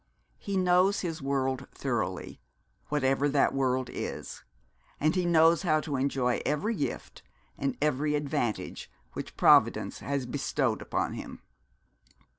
He knows his world thoroughly, whatever that world is, and he knows how to enjoy every gift and every advantage which Providence has bestowed upon him.